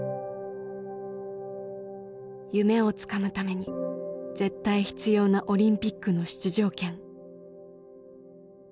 夢をつかむために絶対必要なオリンピックの出場権。